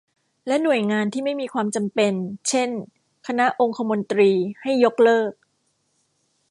และหน่วยงานที่ไม่มีความจำเป็น เช่น คณะองคมนตรี ให้ยกเลิก